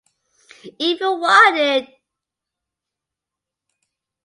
If you want it!